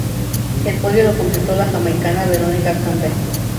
El podio lo completó la jamaicana Veronica Campbell.